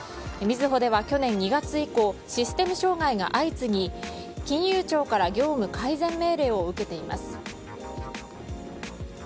みずほでは去年２月以降システム障害が相次ぎ金融庁から業務改善命令を受けています。